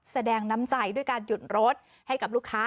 แสดงน้ำใจด้วยการหยุดรถให้กับลูกค้า